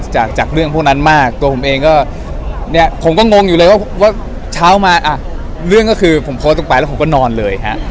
จากจากเรื่องพวกนั้นมากตัวผมเองก็เนี่ยผมก็งงอยู่เลยว่าเช้ามาอ่ะเรื่องก็คือผมโพสต์ลงไปแล้วผมก็นอนเลยฮะ